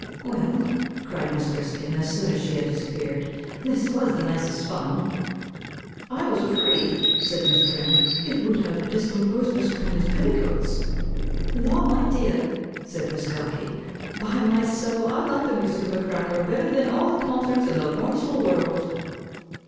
"Well," cried Miss Griskin, as soon as she had disappeared, "this was the nicest fun!" "I was afraid," said Miss Prim, "it would have discomposed Miss Cranley's petticoats." "Law, my dear!" said Miss Gawky, "by my so, I like the music of a cracker, better than all the concerts in the varsal world."